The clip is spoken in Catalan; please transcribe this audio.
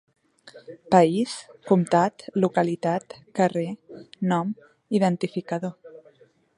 "País - Comtat - Localitat - Carrer - Nom - Identificador".